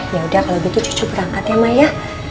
yaudah kalau gitu cucu berangkat ya ma ya